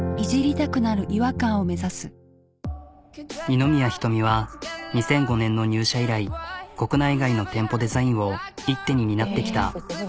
二宮仁美は２００５年の入社以来国内外の店舗デザインを一手に担ってきた。